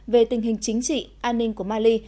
về tình hình chính trị an ninh của mali